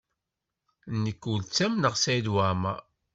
Nekk ur ttamneɣ Saɛid Waɛmaṛ.